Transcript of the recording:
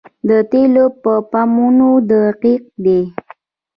د تیلو پمپونه دقیق دي؟